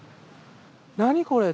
何これ？